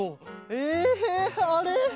えっあれ？